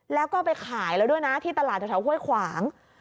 แล้วก็ไปขายแล้วด้วยนะที่ตลาดแถวห้วยขวาง